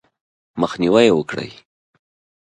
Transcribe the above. مخنیوی یې وکړئ :